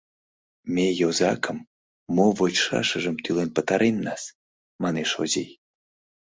Ме йозакым, мо вочшашыжым, тӱлен пытареннас, — манеш Озий.